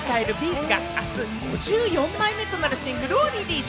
’ｚが、あす５４枚目となるシングルをリリース。